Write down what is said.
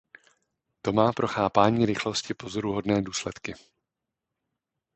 To má pro chápání rychlosti pozoruhodné důsledky.